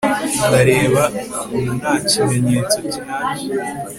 ndareba nta kimenyetso nyacyo